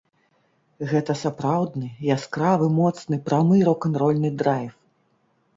Гэта сапраўдны яскравы, моцны, прамы рок-н-рольны драйв.